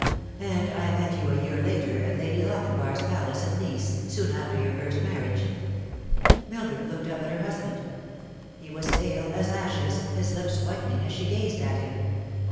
And I met you a year later at Lady Lochinvar's palace at Nice, soon after your first marriage." Mildred looked up at her husband. He was pale as ashes, hifl lips whitening as she gazed at him.